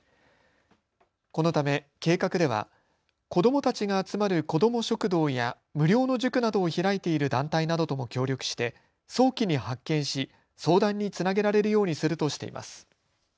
このため計画では子どもたちが集まる子ども食堂や無料の塾などを開いている団体などとも協力して早期に発見し、相談につなげられるようにするとしています。